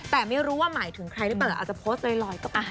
แต่ไม่รู้ว่าหมายถึงใครหรือเปล่าอาจจะโพสต์ลอยก็